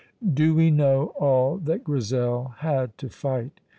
Do we know all that Grizel had to fight?